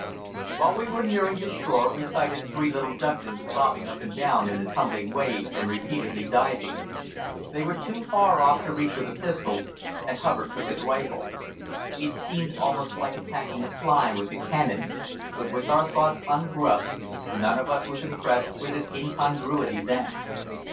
While we were nearing the shore, we sighted three little ducklings bobbing up and down in the tumbling waves and repeatedly diving. They were too far off to reach with a pistol, and Hubbard took his rifle. It seemed almost like attacking a fly with a cannon, but with our thoughts on grub, none of us was impressed with its incongruity then.